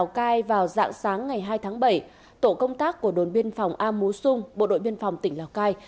lào cai vào dạng sáng ngày hai tháng bảy tổ công tác của đồn biên phòng a mú xung bộ đội biên phòng tỉnh lào cai